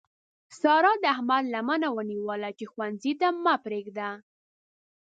سارا د احمد لمنه ونیوله چې ښوونځی مه پرېږده.